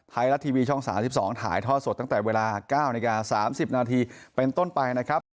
ไทยรัฐทีวีช่อง๓๒ถ่ายท่อสดตั้งแต่เวลา๙นาที๓๐นาทีเป็นต้นไปนะครับ